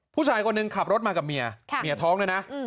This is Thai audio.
ผู้ชายคนหนึ่งขับรถมากับเมียเมียท้องด้วยนะ